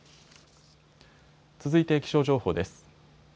続いて気象情報です。